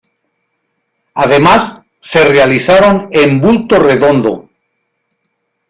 Además, se realizaron en bulto redondo.